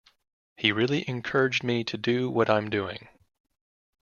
He really encouraged me to do what I'm doing.